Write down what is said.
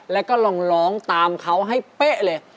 แล้วก็ลองร้องตามเขาให้เป๊ะเลย